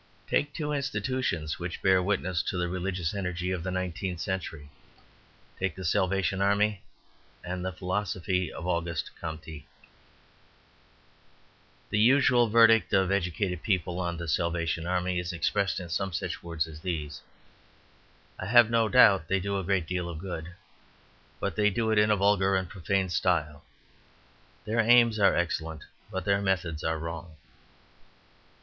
Take two institutions which bear witness to the religious energy of the nineteenth century. Take the Salvation Army and the philosophy of Auguste Comte. The usual verdict of educated people on the Salvation Army is expressed in some such words as these: "I have no doubt they do a great deal of good, but they do it in a vulgar and profane style; their aims are excellent, but their methods are wrong."